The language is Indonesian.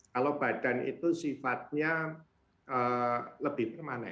kalau badan itu sifatnya lebih permanen